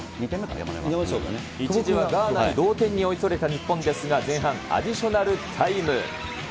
一時はガーナに同点に追いつかれた日本ですが、前半アディショナルタイム。